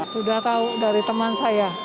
sudah tahu dari teman saya